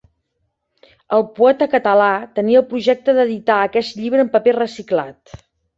El poeta català tenia el projecte d’editar aquest llibre en paper reciclat.